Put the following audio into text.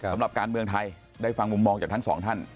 สำหรับการเมืองไทยได้ฟังมุมมองจากทั้งสองท่าน